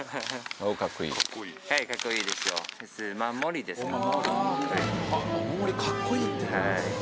「お守りかっこいいって」